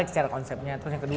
jika tidak mereka harus berkontor